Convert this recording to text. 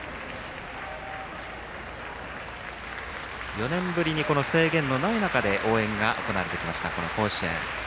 ４年ぶりに制限のない中で応援が行われてきました、甲子園。